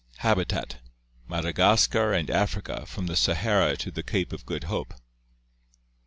Habitat: Madagascar and Africa from the Sahara to the Cape of Good Hope.